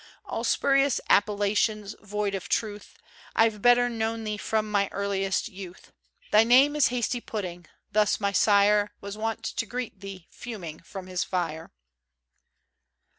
All spurious appellations, void of truth ; I've better known thee from my earliest youth Thy name is Hasty Pudding I Thus my sire Was wont to greet thee, fuming from his fire